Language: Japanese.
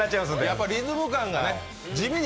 やっぱリズム感がね、地味に